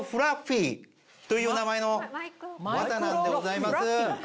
という名前の綿なんでございます。